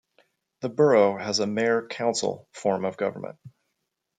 The borough has a "mayor-council" form of government.